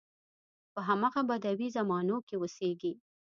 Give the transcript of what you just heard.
په همغه بدوي زمانو کې اوسېږي.